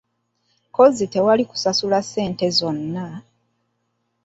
Kozzi tewaali kusasula ssente zonna?